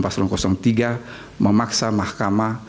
paslon tiga memaksa mahkamah